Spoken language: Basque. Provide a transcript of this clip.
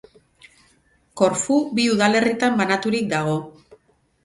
Korfu bi udalerritan banaturik dago.